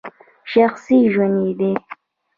شخصي ژوند یې دی !